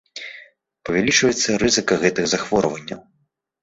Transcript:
Павялічваецца рызыка гэтых захворванняў.